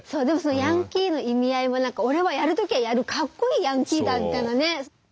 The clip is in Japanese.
でもそのヤンキーの意味合いも何か「おれはやるときはやるかっこいいヤンキーだ」みたいなね。